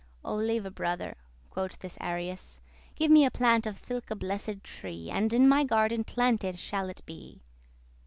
"O leve* brother," quoth this Arius, *dear "Give me a plant of thilke* blessed tree, *that And in my garden planted shall it be."